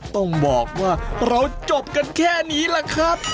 ต้องบอกว่าเราจบกันแค่นี้แหละครับ